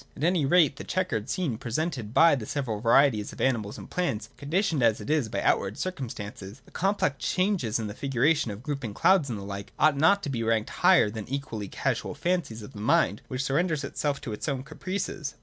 At any rate, the chequered scene presented by the several varieties of animals and plants, conditioned as it is by outward circumstances, — the complex changes in the figuration and grouping of clouds, and the like, ought not to be ranked higher than the equally casual fancies of the mind which surrenders itself to its own caprices.